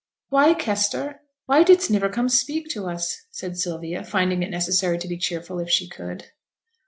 'Why, Kester: why didst niver come to speak to us?' said Sylvia, finding it necessary to be cheerful if she could.